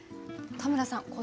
田村さん